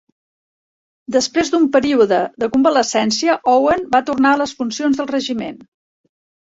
Després d'un període de convalescència, Owen va tornar a les funcions del regiment.